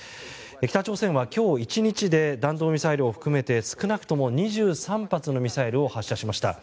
北朝鮮は今日１日で弾道ミサイルを含めて少なくとも２３発のミサイルを発射しました。